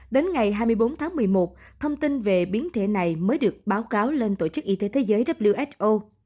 đến ngày hai mươi bốn tháng một mươi một thông tin về biến thể này mới được báo cáo lên tổ chức y tế thế giới who